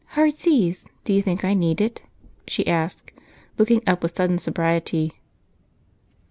"Heart's ease do you think I need it?" she asked, looking up with sudden sobriety.